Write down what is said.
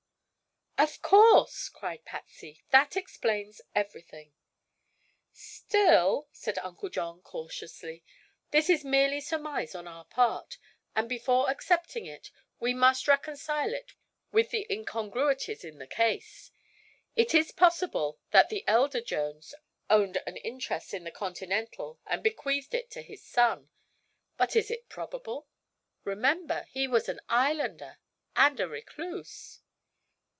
"Of course!" cried Patsy. "That explains everything." "Still," said Uncle John cautiously, "this is merely surmise on our part, and before accepting it we must reconcile it with the incongruities in the case. It is possible that the elder Jones owned an interest in the Continental and bequeathed it to his son. But is it probable? Remember, he was an islander, and a recluse."